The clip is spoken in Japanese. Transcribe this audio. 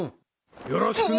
よろしくね。